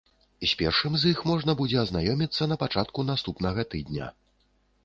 З першым з іх можна будзе азнаёміцца на пачатку наступнага тыдня.